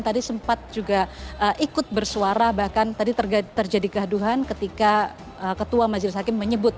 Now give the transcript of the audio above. tadi sempat juga ikut bersuara bahkan tadi terjadi gaduhan ketika ketua majelis hakim menyebut